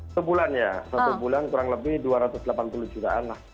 sebulan ya satu bulan kurang lebih dua ratus delapan puluh jutaan lah